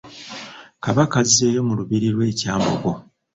Kabaka azzeeyo mu lubiiri lwe e Kyambogo.